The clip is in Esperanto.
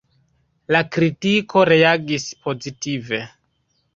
La kritiko reagis pozitive.